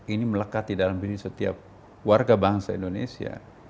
ini melekat di dalam diri setiap warga bangsa indonesia